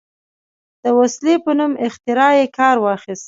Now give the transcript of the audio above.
د وسلې په نوم اختراع یې کار واخیست.